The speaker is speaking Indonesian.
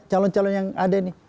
calon calon yang ada ini